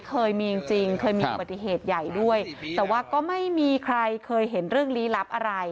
เคยมีจริงจริงเคยมีอุบัติเหตุใหญ่ด้วยแต่ว่าก็ไม่มีใครเคยเห็นเรื่องลี้ลับอะไร